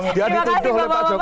terima kasih bapak bapak